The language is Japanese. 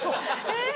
えっ？